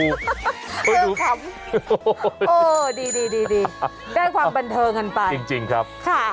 เฮ่ยดูโอ้โฮดีได้ความบันเทิงกันไปค่ะจริงครับ